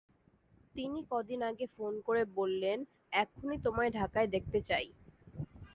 তিনি কদিন আগে ফোন করে বললেন, এক্ষুনি তোমায় ঢাকায় দেখতে চাই।